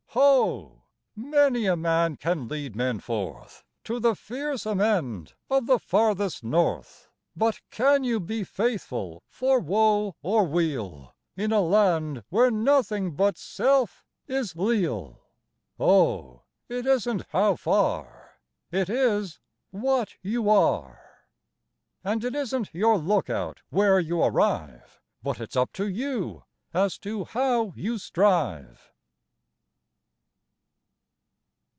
Ho! many a man can lead men forth To the fearsome end of the Farthest North, But can you be faithful for woe or weal In a land where nothing but self is leal? Oh, it isn't "How far?" It is what you are. And it isn't your lookout where you arrive, But it's up to you as to how you strive.